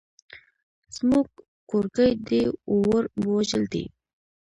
زموږ کورګی دی ووړ بوجل دی.